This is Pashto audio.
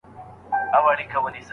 ابن مريمه! زما له سيورې مه ځه